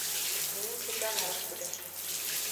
Nyní čeká na rozsudek.